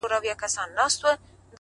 د کلې خلگ به دي څه ډول احسان ادا کړې ـ